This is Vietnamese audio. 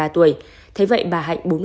hai mươi ba tuổi thế vậy bà hạnh